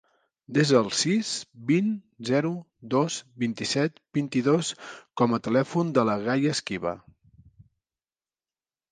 Desa el sis, vint, zero, dos, vint-i-set, vint-i-dos com a telèfon de la Gaia Esquiva.